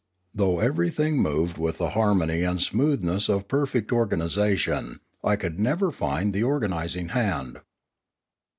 Though everything moyed with the harmony and smoothness of perfect organisation I could never find the organising hand.